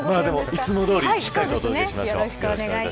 いつもどおり、しっかりとお届けしましょう。